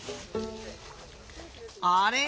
あれ？